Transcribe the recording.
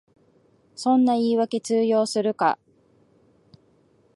そんな言いわけ通用するか